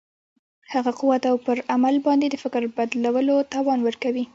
هغه قوت او پر عمل باندې د فکر بدلولو توان ورکوي.